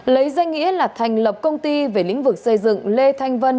lấy danh nghĩa là thành lập công ty về lĩnh vực xây dựng lê thanh vân